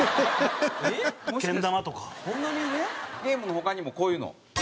ゲームの他にもこういうの。